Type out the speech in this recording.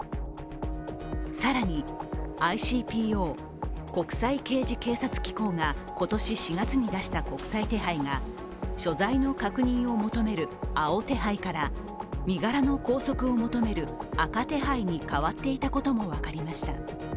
更に、ＩＣＰＯ＝国際刑事警察機構が今年４月に出した国際手配が所在の確認を求める青手配から身柄の拘束を求める赤手配に変わっていたことも分かりました。